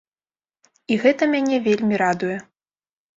І гэта мяне вельмі радуе.